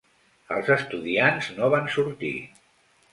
Els estudiants no van sortir.